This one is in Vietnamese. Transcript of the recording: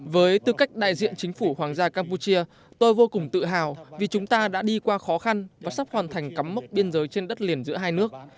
với tư cách đại diện chính phủ hoàng gia campuchia tôi vô cùng tự hào vì chúng ta đã đi qua khó khăn và sắp hoàn thành cắm mốc biên giới trên đất liền giữa hai nước